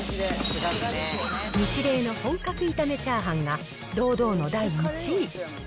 ニチレイの本格炒め炒飯が堂々の第１位。